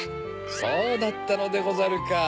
そうだったのでござるか。